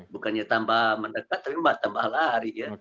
bukannya tambah mendekat tapi tambah lari ya